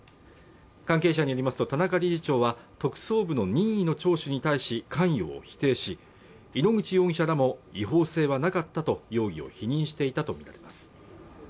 関係者によりますと田中理事長は特捜部の任意の聴取に対し関与を否定し井ノ口容疑者らも違法性はなかったと容疑を否認していたと見られます